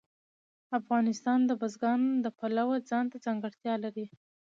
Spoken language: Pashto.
افغانستان د بزګان د پلوه ځانته ځانګړتیا لري.